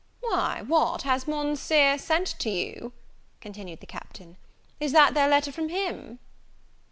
"Why, what, has Monseer sent to you?" continued the Captain: "is that there letter from him?"